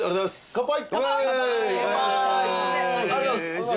乾杯。